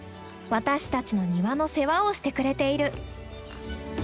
私たちの庭の世話をしてくれている。